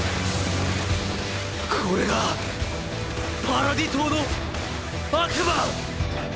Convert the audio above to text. これがパラディ島の悪魔！！